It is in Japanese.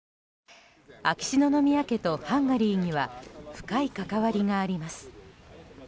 秋篠宮家とハンガリーには深い関わりがあります。